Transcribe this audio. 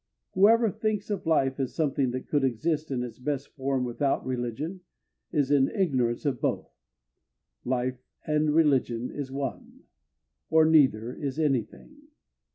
Whoever thinks of life as something that could exist in its best form without religion is in ignorance of both. Life and religion is one, or neither is any thing.